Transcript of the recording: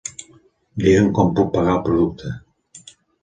Digue'm com pagar el producte.